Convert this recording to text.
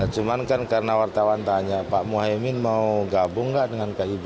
cuman kan karena wartawan tanya pak muhaymin mau gabung gak dengan kib